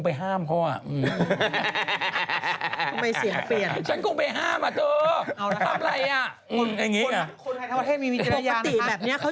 แล้วถ้าเป็นคุณนะถ้าเป็นคุณ